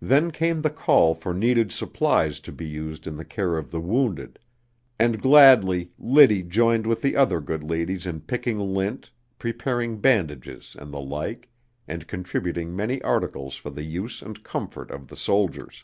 Then came the call for needed supplies to be used in the care of the wounded, and gladly Liddy joined with other good ladies in picking lint, preparing bandages, and the like, and contributing many articles for the use and comfort of the soldiers.